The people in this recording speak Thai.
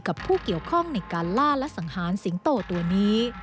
ผู้เกี่ยวข้องในการล่าและสังหารสิงโตตัวนี้